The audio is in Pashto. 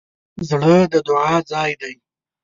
زړه د دعا ځای دی.